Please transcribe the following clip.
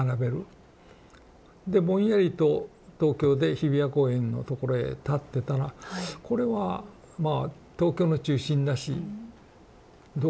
でぼんやりと東京で日比谷公園のところへ立ってたらこれはまあ東京の中心だしどうかなと思って。